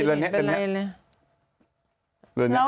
เป็นอะไรเลย